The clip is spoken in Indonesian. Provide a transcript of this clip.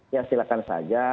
ya silakan saja